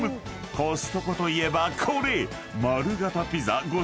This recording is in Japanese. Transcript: ［コストコといえばこれ！］